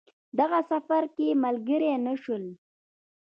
دغه سفر کې ملګري نه شول.